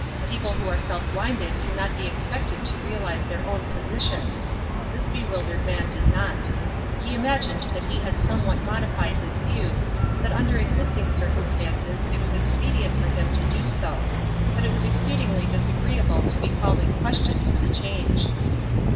People who are self blinded cannot be expected to realize their own positions ; this bewildered man did not. He imagined that he had some what modified his views — that under existing circumstances it was expedient for him to do so ; but it was exceedingly disagreeable to be called in question for the change.